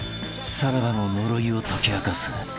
［さらばの呪いを解き明かす］